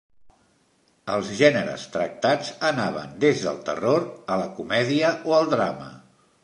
Els gèneres tractats anaven des del terror a la comèdia o el drama.